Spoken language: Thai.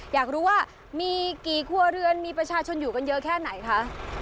อยากรู้ว่ามีกี่ครัวเรือนมีประชาชนอยู่กันเยอะแค่ไหนคะ